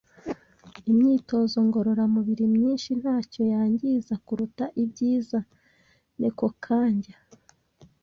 Imyitozo ngororamubiri myinshi ntacyo yangiza kuruta ibyiza. (NekoKanjya)